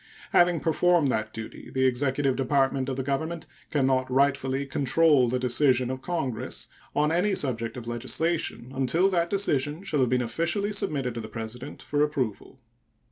Having performed that duty, the executive department of the Government can not rightfully control the decision of Congress on any subject of legislation until that decision shall have been officially submitted to the President for approval.